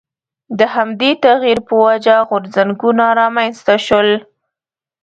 د همدې تغییر په وجه غورځنګونه رامنځته شول.